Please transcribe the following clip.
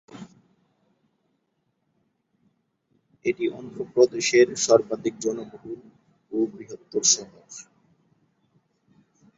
এটি অন্ধ্রপ্রদেশের সর্বাধিক জনবহুল ও বৃহত্তম শহর।